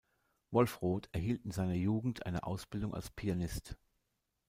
Wolf Roth erhielt in seiner Jugend eine Ausbildung als Pianist.